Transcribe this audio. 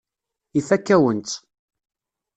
Ifakk-awen-tt.